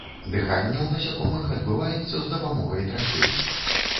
Дыханне ў насякомых адбываецца з дапамогай трахей.